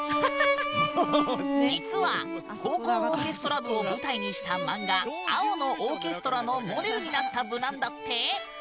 実は、高校オーケストラ部を舞台にした漫画「青のオーケストラ」のモデルになった部なんだって！